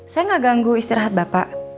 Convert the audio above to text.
saya nggak ganggu istirahat bapak